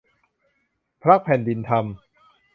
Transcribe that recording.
พรรคแผ่นดินธรรม